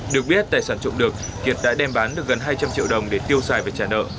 được biết tài sản trộm được kiệt đã đem bán được gần hai trăm linh triệu đồng để tiêu xài và trả nợ